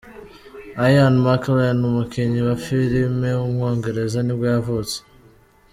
Ian McKellen, umukinnyi wa filime w’umwongereza nibwo yavutse.